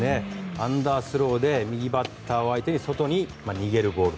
アンダースローで右バッターを相手に外に逃げるボール。